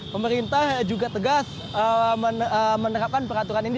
pemerintah juga tegas menerapkan peraturan ini